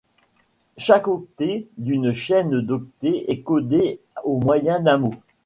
Chaque octet d'une chaîne d'octets est codé au moyen d'un mot.